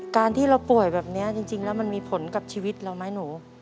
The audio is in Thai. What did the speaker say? การที่เราป่วยแบบนี้จริงแล้วมันมีผลกับชีวิตเราไหมหนู